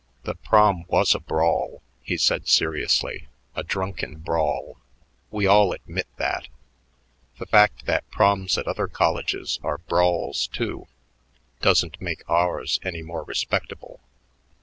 "The Prom was a brawl," he said seriously, "a drunken brawl. We all admit that. The fact that Proms at other colleges are brawls, too, doesn't make ours any more respectable.